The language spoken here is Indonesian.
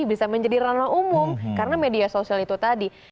bisa menjadi ranah umum karena media sosial itu tadi